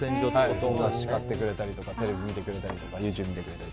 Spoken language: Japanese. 叱ってくれたりテレビ見てくれたりＹｏｕＴｕｂｅ見てくれたり。